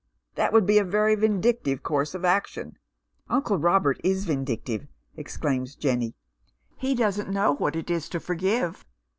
" That would be a very vindictive course of action." ♦' Uncle Robert it vindictive," exclaims Jenny. " He doesn't know what it is to forgive.